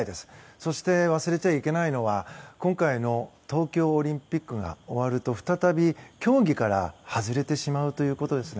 そして、忘れちゃいけないのは今回の東京オリンピックが終わると再び競技から外れてしまうということですね。